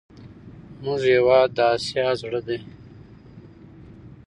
زموږ هېواد د اسیا زړه دی.